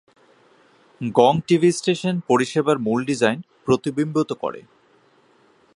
গং TV station পরিষেবার মূল ডিজাইন প্রতিবিম্বিত করে।